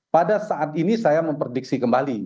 pada saat ini saya memprediksi kembali